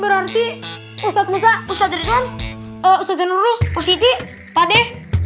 berarti ustadz musa ustadz ridwan ustadz nurul ust iddi pak deh